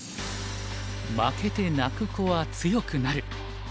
「負けて泣く子は強くなる」。